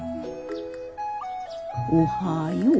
おはよう。